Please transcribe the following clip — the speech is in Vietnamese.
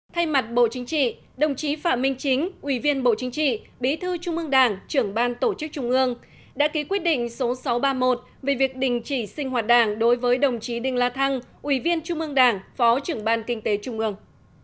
thay mặt bộ chính trị đồng chí phạm minh chính ủy viên bộ chính trị bí thư trung ương đảng trưởng ban tổ chức trung ương đã ký quyết định số sáu trăm ba mươi một về việc đình chỉ sinh hoạt đảng đối với đồng chí đinh la thăng ủy viên trung ương đảng phó trưởng ban kinh tế trung ương